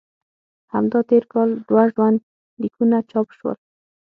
همدا تېر کال دوه ژوند لیکونه چاپ شول.